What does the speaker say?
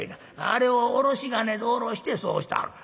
あれをおろし金でおろしてそうしたある」。